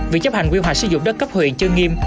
việc chấp hành quy hoạch sử dụng đất cấp huyện chưa nghiêm